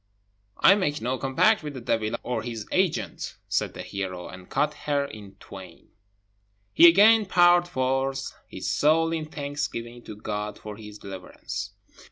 "I make no compact with the devil or his agents," said the hero, and cut her in twain. He again poured forth his soul in thanksgiving to God for his deliverance.